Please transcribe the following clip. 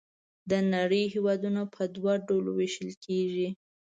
د نړۍ هېوادونه په دوه ډلو ویشل کیږي.